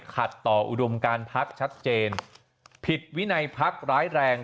ขัดต่ออุดมการพักชัดเจนผิดวินัยพักร้ายแรง